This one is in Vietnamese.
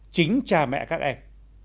chính cha mẹ các em